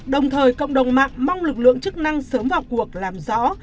đồng thời cộng đồng mạng mong lực lượng chức năng sớm vào cuộc làm rõ